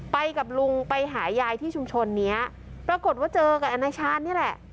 ไปกับลุงไปหายายที่ชุมชนเนี้ยปรากฏว่าเจอกับอนาชาตินี่แหละ